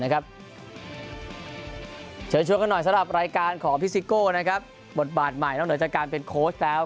แค่เห็นหน้าครอบครัวก็มีกำลังใจเล่นแล้วครับ